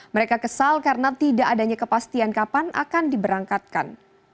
mereka kesal karena tidak adanya kepastian kapan akan diberangkatkan